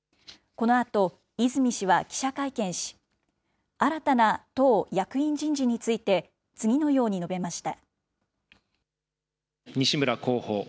このあと、泉氏は記者会見し、新たな党役員人事について、次のように述べました。